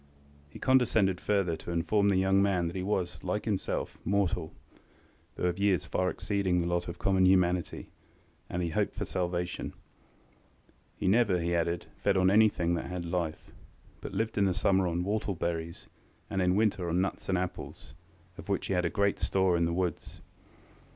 He condescended further to inform the young man that he was, like himself, mortal, though of years far exceeding the lot of common humanity, and that he hoped for salvation. He never, he added, fed on anything that had life, but lived in the summer on whortle berries, and in winter on nuts and apples, of which he had great store in the woods.